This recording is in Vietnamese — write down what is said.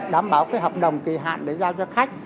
đảm bảo cái hợp đồng kỳ hạn để giao cho khách